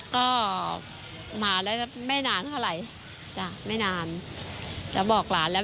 ก็มาแล้วไม่นานเท่าไหร่จ้ะไม่นานจะบอกหลานแล้ว